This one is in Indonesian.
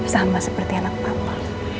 sambah seperti anak papa